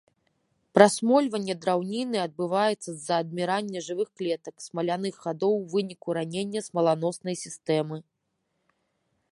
Прасмольванне драўніны адбываецца з-за адмірання жывых клетак, смаляных хадоў у выніку ранення смаланоснай сістэмы.